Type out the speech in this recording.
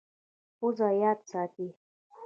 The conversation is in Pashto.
پزه یاد ساتي.